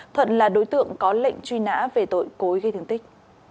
thuận là đối tượng có lệnh truy nã về tội cối gây thương tích